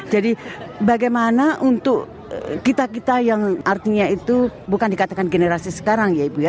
jadi bagaimana untuk kita kita yang artinya itu bukan dikatakan generasi sekarang ya ibu ya